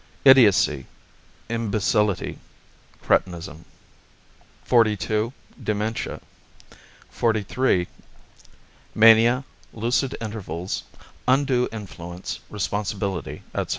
Idiocy, Imbecility, Cretinism 68 XLII. Dementia 70 XLIII. Mania, Lucid Intervals, Undue Influence, Responsibility, etc.